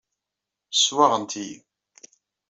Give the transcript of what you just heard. Swaɣent-iyi.